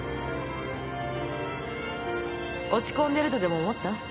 落ち込んでるとでも思った？